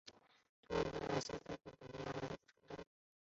特姆尼茨塔尔是德国勃兰登堡州的一个市镇。